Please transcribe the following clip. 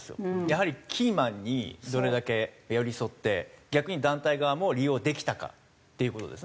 やはりキーマンにどれだけ寄り添って逆に団体側も利用できたかっていう事ですね。